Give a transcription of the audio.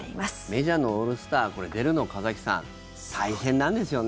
メジャーのオールスターこれ出るの、川崎さん大変なんですよね。